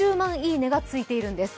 いいねがついているんです。